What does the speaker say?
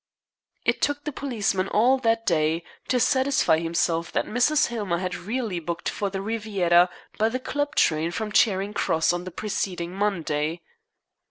It took the policeman all that day to satisfy himself that Mrs. Hillmer had really booked for the Riviera by the Club train from Charing Cross on the preceding Monday.